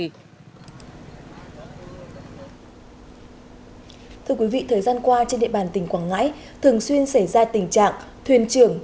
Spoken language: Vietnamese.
thưa quý vị thời gian qua trên địa bàn tỉnh quảng ngãi thường xuyên xảy ra tình trạng thuyền trưởng